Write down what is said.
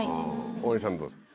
大西さんどうですか？